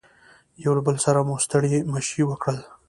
یو له بل سره مو ستړي مشي وکړل.